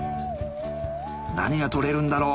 何が取れるんだろう？